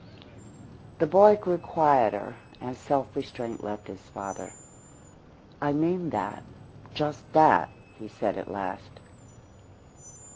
The boy grew quieter as self restraint left his father. "I mean that just that," he said at last.